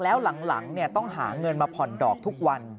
แล้วหลังต้องหาเงินมาผ่อนดอกทุกวัน